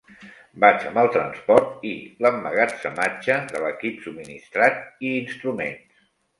Vaig amb el transport i l'emmagatzematge de l'equip subministrat i instruments.